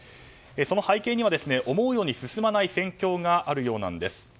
その背景には思うように進まない戦況があるようなんです。